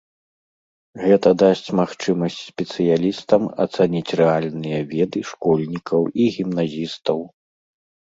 Гэта дасць магчымасць спецыялістам ацаніць рэальныя веды школьнікаў і гімназістаў.